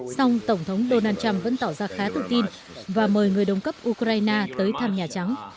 song tổng thống donald trump vẫn tỏ ra khá tự tin và mời người đồng cấp ukraine tới thăm nhà trắng